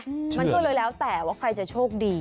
มันก็เลยแล้วแต่ว่าใครจะโชคดี